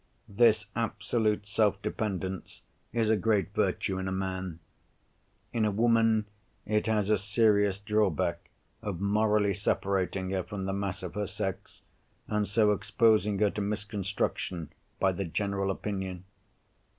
This absolute self dependence is a great virtue in a man. In a woman it has a serious drawback of morally separating her from the mass of her sex, and so exposing her to misconstruction by the general opinion.